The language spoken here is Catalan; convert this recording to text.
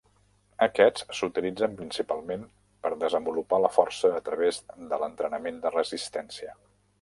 Aquests s'utilitzen principalment per desenvolupar la força a través de l'entrenament de resistència.